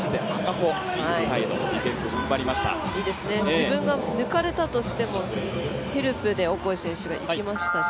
自分が抜かれたとしても次、ヘルプでオコエ選手がいきましたし